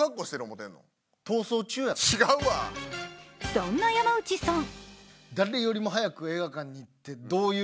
そんな山内さん